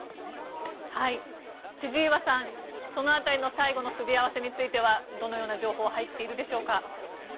千々岩さん、その辺りの最後のすり合わせについてはどのような情報が入っているでしょうか。